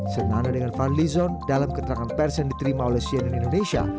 senangnya dengan van lizon dalam keterangan persen diterima oleh cnn indonesia